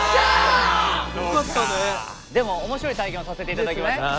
でも面白い体験をさせていただきました。